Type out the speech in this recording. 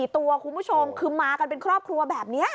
ตัวคุณผู้ชมคือมากันเป็นครอบครัวแบบนี้